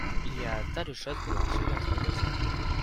il y a un tas de choses bon-marché dans ce magasin.